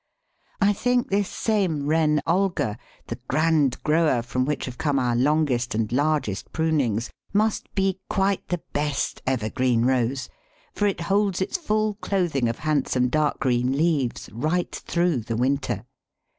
I think this same Reine Olga, the grand grower from which have come our longest and largest prunings, must be quite the best evergreen Rose, for it holds its full clothing of handsome dark green leaves right through the winter.